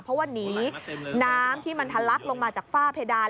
เพราะว่าหนีน้ำที่มันทะลักลงมาจากฝ้าเพดาน